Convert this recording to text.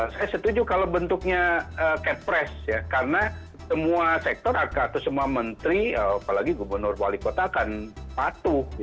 saya setuju kalau bentuknya kepres ya karena semua sektor atau semua menteri apalagi gubernur wali kota akan patuh